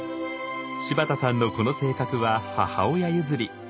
柴田さんのこの性格は母親譲り。